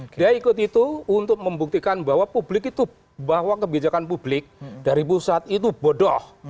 dia ikut itu untuk membuktikan bahwa publik itu bahwa kebijakan publik dari pusat itu bodoh